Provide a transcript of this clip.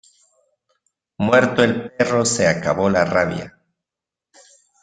Muerto el perro se acabó la rabia.